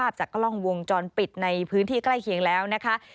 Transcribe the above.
ต้องปิดในพื้นที่ใกล้เคียงแล้วนะคะ